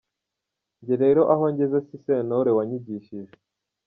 Njye rero aho ngeze ni Sentore wanyigishije.